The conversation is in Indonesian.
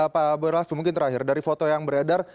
pak boy raff mungkin terakhir dari foto yang beredar